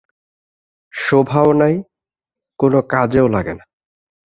শোভাও নাই, কোনো কাজেও লাগে না।